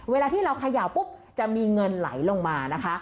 เวลาที่เราเขย่าปุ๊บจะมีเงินไหลลงมานะคะ